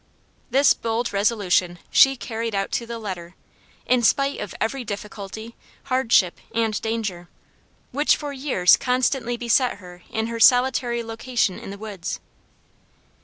This bold resolution she carried out to the letter, in spite of every difficulty, hardship, and danger, which for years constantly beset her in her solitary location in the woods.